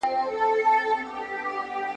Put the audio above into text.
«پت» پلورونکو ته به د لوړو کورنيو نجوني